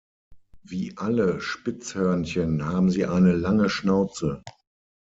Wie alle Spitzhörnchen haben sie eine lange Schnauze.